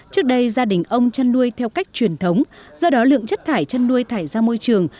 trước đây gia đình ông chăn nuôi theo cách truyền thống do đó lượng chất thải chăn nuôi thải ra môi trường